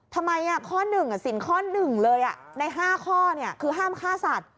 ทำไมข้อหนึ่งสิ่งข้อหนึ่งเลยใน๕ข้อคือห้ามฆ่าสัตว์